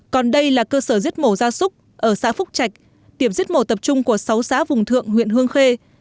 còn đây là cơ sở giết mổ ra súc ở xã phúc trạch điểm giết mổ tập trung của sáu xã vùng thượng huyện hương khê